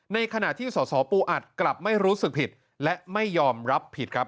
ในขณะที่สสปูอัดกลับไม่รู้สึกผิดและไม่ยอมรับผิดครับ